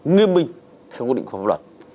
nghiêm minh theo quy định của pháp luật